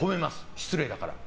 失礼だから。